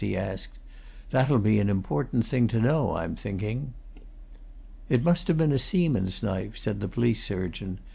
he asked. "That'll be an important thing to know, I'm thinking." "It might have been a seaman's knife," said the police surgeon.